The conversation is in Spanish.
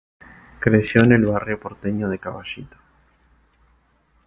Creció en el barrio porteño de Caballito.